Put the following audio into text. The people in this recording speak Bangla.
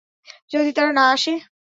যদি তারা না আসে?